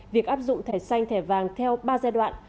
việc áp dụng thẻ xanh thẻ vàng theo ba giai đoạn